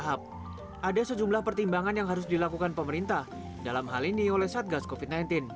ada sejumlah pertimbangan yang harus dilakukan pemerintah dalam hal ini oleh satgas covid sembilan belas